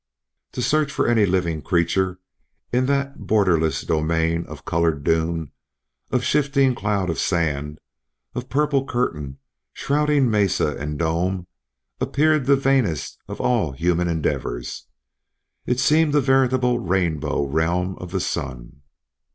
To search for any living creatures in that borderless domain of colored dune, of shifting cloud of sand, of purple curtain shrouding mesa and dome, appeared the vainest of all human endeavors. It seemed a veritable rainbow realm of the sun.